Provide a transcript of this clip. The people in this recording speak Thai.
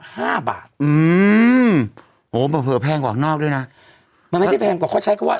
ห้าบาทอืมโหเผลอแพงกว่านอกด้วยนะมันไม่ได้แพงกว่าเขาใช้คำว่า